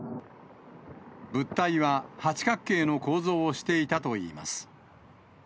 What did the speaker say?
物体は八角形の構造をしていたといいます。